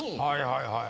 はいはい。